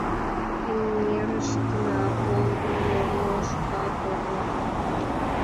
— Эҥерыштына кол уло, но шукак огыл.